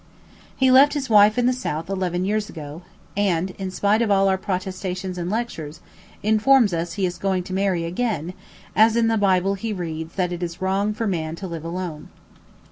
He left his wife in the South eleven years ago, and, in spite of all our protestations and lectures, informs us he is going to marry again, as in the Bible he reads "that it is wrong for man to live alone."